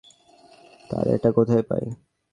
তারা এটা কোথায় পায়?